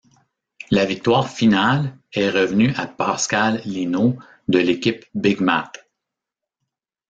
La victoire finale est revenue à Pascal Lino de l'équipe BigMat.